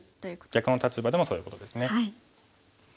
逆の立場でもそういうことですね。